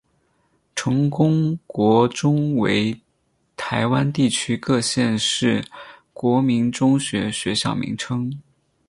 成功国中为台湾地区各县市国民中学学校名称。